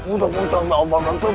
untuk mencangkak obat dan tepung